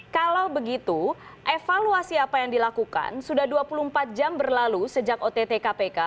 kalau begitu evaluasi apa yang dilakukan sudah dua puluh empat jam berlalu sejak ott kpk